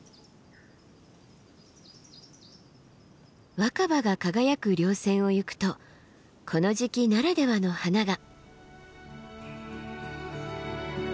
若葉が輝く稜線を行くとこの時期ならではの花が。